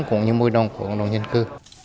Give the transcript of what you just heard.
cũng như môi đồng của cộng đồng dân cư